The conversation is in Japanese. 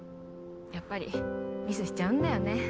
やっぱりミスしちゃうんだよね